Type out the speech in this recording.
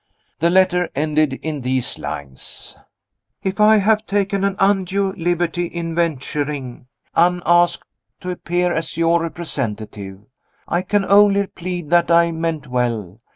The letter ended in these lines: "If I have taken an undue liberty in venturing, unasked, to appear as your representative, I can only plead that I meant well.